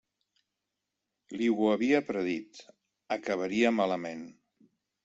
Li ho havia predit: acabaria malament.